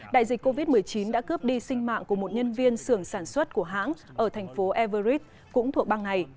đại dịch covid một mươi chín đã cướp đi sinh mạng của một nhân viên xưởng sản xuất của hãng ở thành phố everrid cũng thuộc bang này